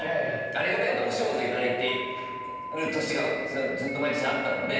ありがたいことにお仕事頂いてる年がずっと毎年あったので。